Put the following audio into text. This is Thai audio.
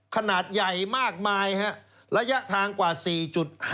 ขนาดใหญ่มากมายระยะทางกว่า๔๕